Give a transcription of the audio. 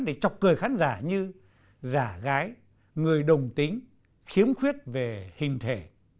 để chọc cười khán giả như giả gái người đồng tính khiếm khuyết về hình thể